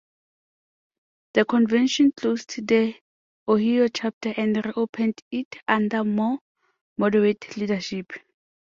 The convention closed the Ohio chapter and re-opened it under more moderate leadership.